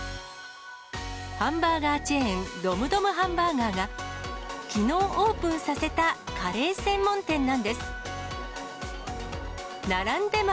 ハンバーガーチェーン、ドムドムハンバーガーが、きのうオープンさせたカレー専門店なんです。